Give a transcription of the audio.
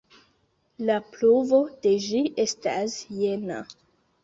La pruvo de ĝi estas jena.